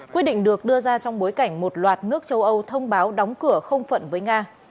quyết định được đưa ra trong bối cảnh một loạt nước châu âu thông báo đóng cửa không phận với nga